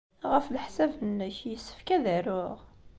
Ɣef leḥsab-nnek, yessefk ad aruɣ?